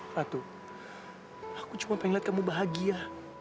ratu aku cuma pengen liat kamu bahagia